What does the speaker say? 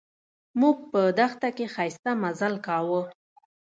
موږ په دښته کې ښایسته مزل کاوه.